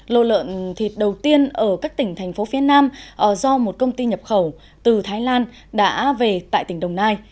lô lợn thịt đầu tiên ở các tỉnh thành phố phía nam do một công ty nhập khẩu từ thái lan đã về tại tỉnh đồng nai